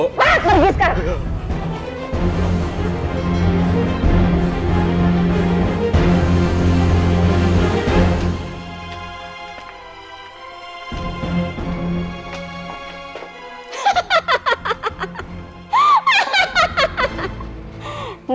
cepat pergi sekarang